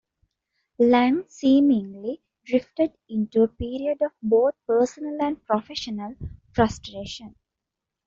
Lamm seemingly drifted into a period of both personal and professional frustration.